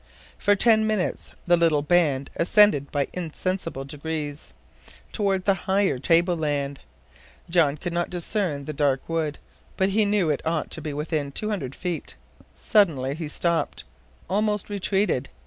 For ten minutes, the little band ascended by insensible degrees toward the higher table land. John could not discern the dark wood, but he knew it ought to be within two hundred feet. Suddenly he stopped; almost retreated.